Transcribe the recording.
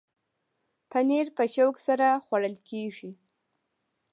پنېر په شوق سره خوړل کېږي.